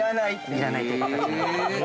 ◆要らないという形になります。